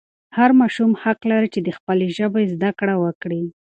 هر ماشوم حق لري چې د خپلې ژبې زده کړه وکړي.